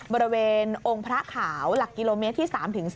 บริเวณองค์พระขาวหลักกิโลเมตรที่๓๒